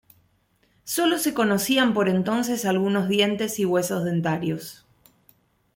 Solo se conocían por entonces algunos dientes y huesos dentarios.